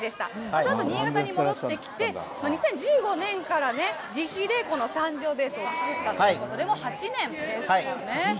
そのあと新潟に戻ってきて、２０１５年からね、自費でこの三条ベースを作ったということで、もう８年ですかね。